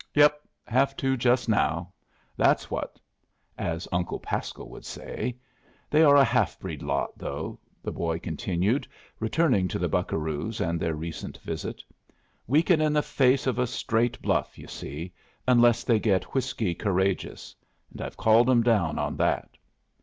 "Yep. Have to just now. That's what! as Uncle Pasco would say. They are a half breed lot, though," the boy continued, returning to the buccaroos and their recent visit. "Weaken in the face of a straight bluff, you see, unless they get whiskey courageous. And I've called 'em down on that."